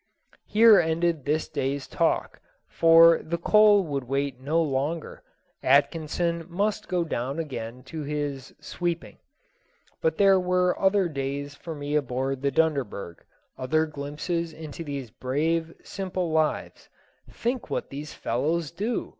Here ended this day's talk, for the coal would wait no longer; Atkinson must go down again to his "sweeping". But there were other days for me aboard the Dunderberg other glimpses into these brave, simple lives. Think what these fellows do!